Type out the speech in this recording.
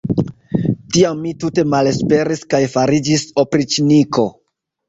Tiam mi tute malesperis kaj fariĝis opriĉniko.